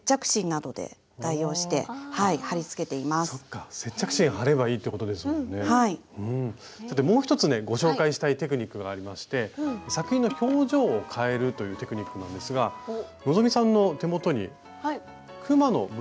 そしてもう一つねご紹介したいテクニックがありまして作品の表情を変えるというテクニックなんですが希さんの手元にくまのブローチがありますよね。